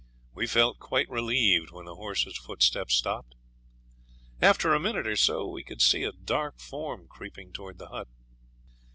We felt quite relieved when the horse's footsteps stopped. After a minute or so we could see a dark form creeping towards the hut.